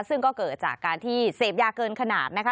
ซึ่งก็เกิดจากการที่เสพยาเกินขนาดนะคะ